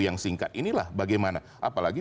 yang singkat inilah bagaimana apalagi